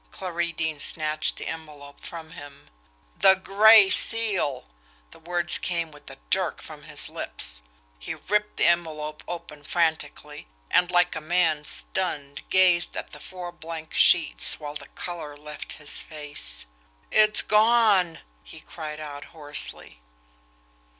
Clarie Deane snatched the envelope from him. "THE GRAY SEAL!" the words came with a jerk from his lips. He ripped the envelope open frantically and like a man stunned gazed at the four blank sheets, while the colour left his face. "IT'S GONE!" he cried out hoarsely.